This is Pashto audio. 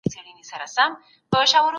مړینه به ټوله نړۍ ونیسي.